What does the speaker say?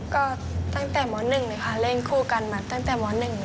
ก็ตั้งแต่หมอหนึ่งเลยค่ะเล่นคู่กันมาตั้งแต่หมอหนึ่งเลย